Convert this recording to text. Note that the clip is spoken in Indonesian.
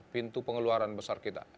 pintu pengeluaran besar kita